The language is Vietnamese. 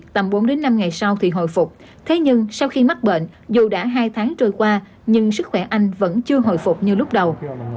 tầm bốn năm ngày sau thì hồi phục thế nhưng sau khi mắc bệnh dù đã hai tháng trôi qua nhưng sức khỏe anh vẫn chưa hồi phục như lúc đầu